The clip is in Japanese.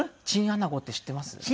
チンアナゴって知ってます？